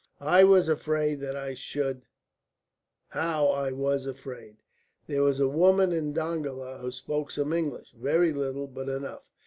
I was afraid that I should how I was afraid! There was a woman in Dongola who spoke some English very little, but enough.